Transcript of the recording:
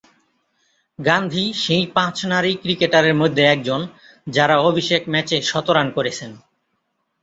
গান্ধী সেই পাঁচ নারী ক্রিকেটারের মধ্যে একজন যারা অভিষেক ম্যাচে শতরান করেছেন।